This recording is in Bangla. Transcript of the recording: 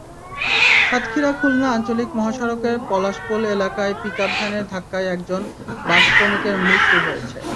সাতক্ষীরা-খুলনা আঞ্চলিক মহাসড়কের পলাশপোল এলাকায় পিকআপ ভ্যানের ধাক্কায় একজন বাসশ্রমিকের মৃত্যু হয়েছে।